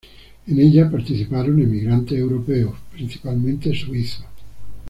En ella participaron emigrantes europeos, principalmente suizos.